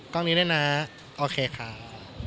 กล้องนี้ด้วยนะครับโอเคไหม